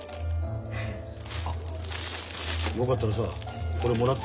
あっよかったらさこれもらって。